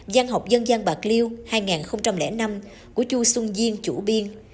giang học dân gian bạc liêu hai nghìn năm của chu xuân diên chủ biên